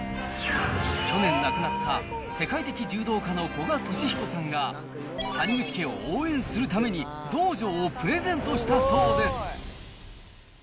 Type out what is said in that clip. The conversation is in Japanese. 去年亡くなった、世界的柔道家の古賀稔彦さんが、谷口家を応援するために、道場をプレゼントしたそうです。